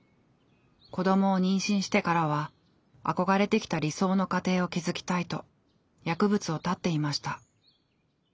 子どもを妊娠してからは憧れてきた理想の家庭を築きたいと薬物を絶っていました。